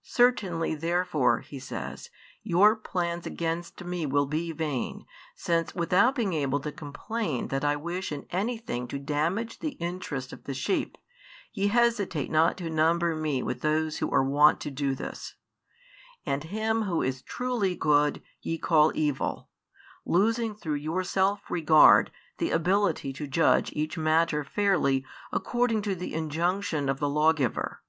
'Certainly therefore,' He says, 'your plans against Me will be vain, since without being able to complain that I wish in any thing to damage the interests of the sheep, ye hesitate not to number Me with those who are wont to do this, and Him Who is truly good ye call evil, losing through your self regard the ability to judge each matter fairly according to the injunction of the lawgiver.'